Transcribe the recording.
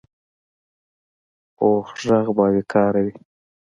پوخ غږ باوقاره وي